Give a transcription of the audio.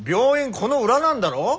この裏なんだろ？